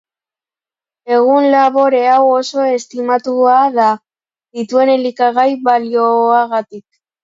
Egun labore hau oso estimatua da dituen elikagai-balioagatik.